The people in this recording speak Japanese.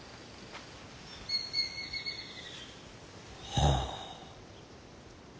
はあ。